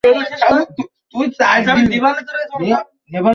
আমরা দেখি, তাঁর গভীর ভাবনাবোধ জীবজগতের ভাষাজ্ঞানকে নিরন্তর পাঠ করার চেষ্টা করে।